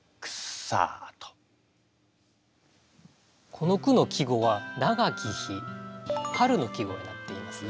この句の季語は「永き日」春の季語になっています。